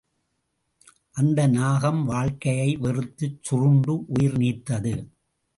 அந்த நாகம் வாழ்க்கையை வெறுத்துச் சுருண்டு உயிர் நீத்தது.